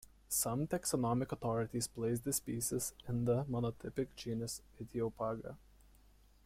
Some taxonomic authorities place this species in the monotypic genus Ichthyophaga.